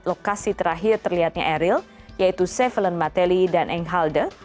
lokasi terakhir terlihatnya erile yaitu cefalen matelli dan enghalde